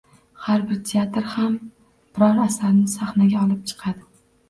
Har bir teatr ham biror asarni sahnaga olib chiqadi.